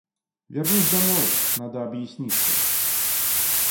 Вернись домой, надо объясниться.